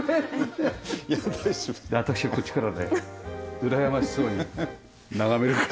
私こっちからねうらやましそうに眺めるから。